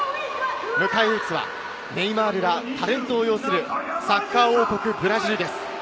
迎え撃つはネイマールやタレントを擁するサッカー王国・ブラジルです。